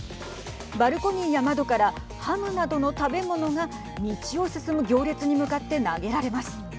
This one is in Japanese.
バルコニーや窓からハムなどの食べ物が道を進む行列に向かって投げられます。